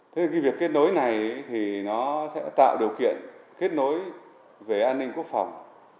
thế thì cái việc kết nối này thì nó sẽ tạo điều kiện kết nối về an ninh quốc phòng